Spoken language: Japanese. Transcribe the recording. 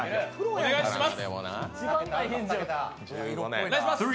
お願いします。